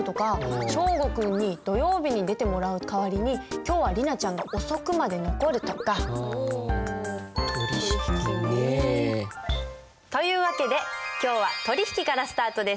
祥伍君に土曜日に出てもらう代わりに今日は莉奈ちゃんが遅くまで残るとか。という訳で今日は取引からスタートです。